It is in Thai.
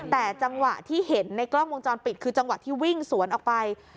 แต่จังหวะที่เห็นในกล้องวงจรปิดคือจังหวะที่วิ่งสวนออกไป